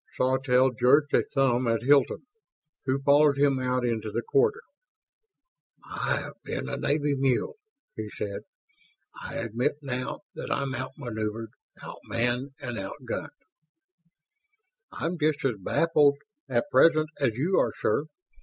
Sawtelle jerked a thumb at Hilton, who followed him out into the corridor. "I have been a Navy mule," he said. "I admit now that I'm out maneuvered, out manned, and out gunned." "I'm just as baffled at present as you are, sir.